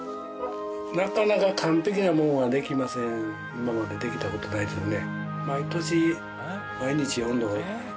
今までできた事ないですね。